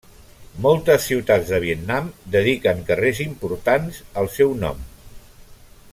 Moltes ciutats de Vietnam dediquen carrers importants al seu nom.